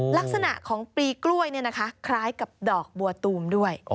ลักษณะของปลีกล้วยคล้ายกับดอกบัวตูมด้วย